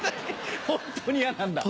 本当に嫌なんだ？